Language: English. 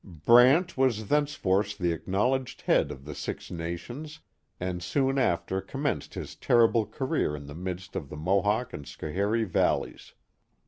Brant was thenceforth the acknowledged head of the Six Nations, and soon after commenced his terrible career in the midst of the Mohawk and Schoharie valleys.